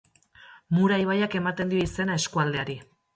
Mura ibaiak ematen dio izena eskualdeari.